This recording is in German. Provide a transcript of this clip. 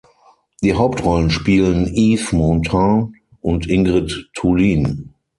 Die Hauptrollen spielen Yves Montand und Ingrid Thulin.